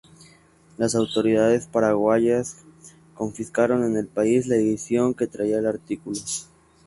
Las autoridades paraguayas confiscaron en el país la edición que traía el artículo.